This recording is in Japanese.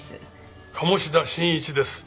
鴨志田新一です。